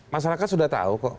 masyarakat sudah tahu kok